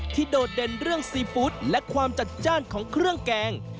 โดดเด่นเรื่องซีฟู้ดและความจัดจ้านของเครื่องแกง